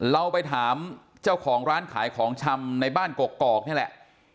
เราไปถามเจ้าของร้านขายของชำในบ้านกกอกนี่แหละ